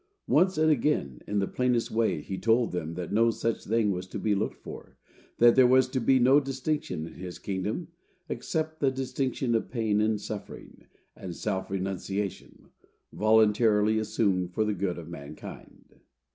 Once and again, in the plainest way, he told them that no such thing was to be looked for; that there was to be no distinction in his kingdom, except the distinction of pain, and suffering, and self renunciation, voluntarily assumed for the good of mankind.